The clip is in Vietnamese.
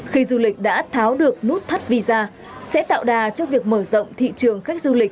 khi du lịch đã tháo được nút thắt visa sẽ tạo đà cho việc mở rộng thị trường khách du lịch